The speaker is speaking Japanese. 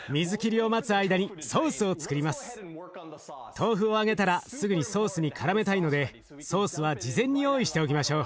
豆腐を揚げたらすぐにソースにからめたいのでソースは事前に用意しておきましょう。